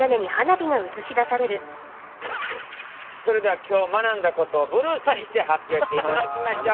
それでは今日学んだことをブルースにして発表していただきましょう。